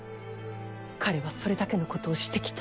彼はそれだけのことをしてきた。